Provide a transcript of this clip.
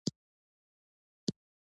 تاریخ د افغانستان د طبیعت برخه ده.